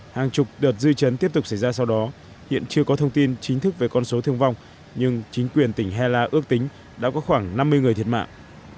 hàng chục đợt dư chấn tiếp tục xảy ra sau đó hiện chưa có thông tin chính thức về con số thương vong nhưng chính quyền tỉnh hella ước tính đã có khoảng năm mươi người thiệt mạng